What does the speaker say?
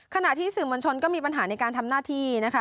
ขณะที่สื่อมวลชนก็มีปัญหาในการทำหน้าที่นะคะ